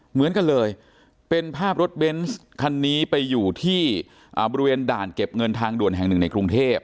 เหมือนกันเลยเป็นภาพรถเบนส์คันนี้ไปอยู่ที่บริเวณด่านเก็บเงินทางด่วนแห่งหนึ่งในกรุงเทพ